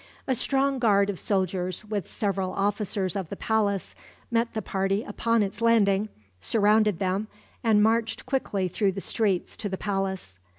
A strong guard of soldiers, with several officers of the palace, met the party upon its landing, surrounded them, and marched quickly through the streets to the palace.